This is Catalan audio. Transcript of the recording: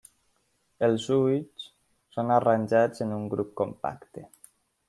Els ulls són arranjats en un grup compacte.